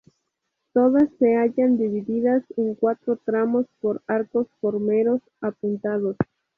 Todas se hallan divididas en cuatro tramos por arcos formeros apuntados.